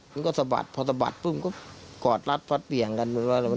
มันก็สะบัดพอสะบัดมันก็กอดรัดพลัดเปลี่ยงกัน